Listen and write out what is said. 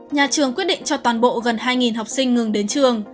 nhà trường quyết định cho toàn bộ gần hai học sinh ngừng đến trường